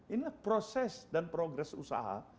inilah proses dan progres usaha